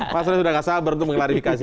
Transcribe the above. mas soe sudah gak sabar untuk mengelarifikasi